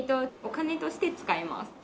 お金として使えます。